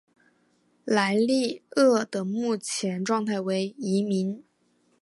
莱利鳄的目前状态为疑名。